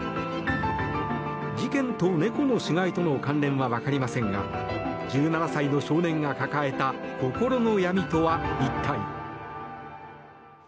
事件と猫の死骸との関連はわかりませんが１７歳の少年が抱えた心の闇とは一体。